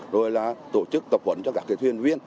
rồi là tổ chức tập huấn cho các thuyền viên